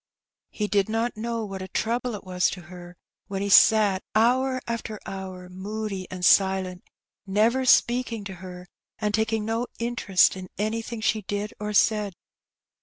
He did not know what a trouble it was to her when he sat hour after hour moody and silent, never speaking to her, and taking no interest in anything she did or said.